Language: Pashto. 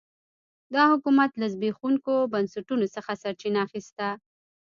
دا حکومت له زبېښونکو بنسټونو څخه سرچینه اخیسته.